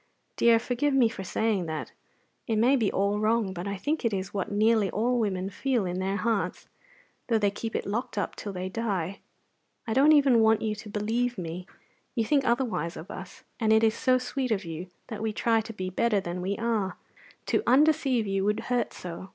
Dear, forgive me for saying that; it may be all wrong; but I think it is what nearly all women feel in their hearts, though they keep it locked up till they die. I don't even want you to believe me. You think otherwise of us, and it is so sweet of you that we try to be better than we are to undeceive you would hurt so.